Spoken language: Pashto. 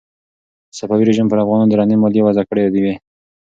صفوي رژیم پر افغانانو درنې مالیې وضع کړې وې.